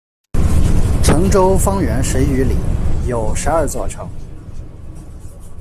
城周方圆十余里，有十二座城。